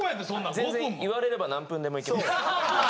全然言われれば何分でもいけます。